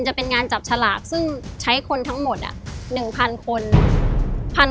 จะเป็นงานจับฉลากซึ่งใช้คนทั้งหมด๑๐๐คน